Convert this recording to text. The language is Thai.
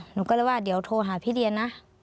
หนูก็เลยว่าเดี๋ยวโทรหาพี่เรียนนะ